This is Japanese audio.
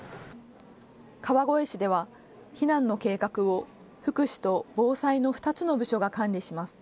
川越市では避難の計画を福祉と防災の２つの部署が管理します。